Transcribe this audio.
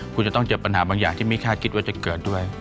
คุณจะต้องเจอปัญหาบางอย่างที่ไม่คาดคิดว่าจะเกิดด้วย